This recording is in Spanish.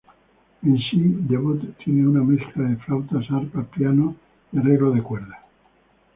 En sí, "Debut", tiene una mezcla de flautas, arpas, pianos y arreglos de cuerdas.